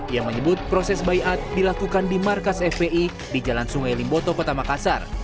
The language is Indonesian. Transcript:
ia menyebut proses bayat dilakukan di markas fpi di jalan sungai limboto kota makassar